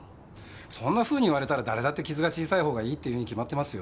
そんなふうに言われたら誰だって傷が小さい方がいいって言うに決まってますよ。